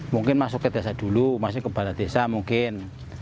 mungkin masuk ke desa dulu ke bala desa mungkin